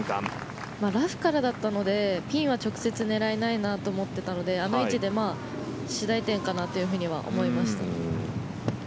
ラフからだったのでピンは直接狙えないなと思っていたのであの位置で及第点かなと思いました。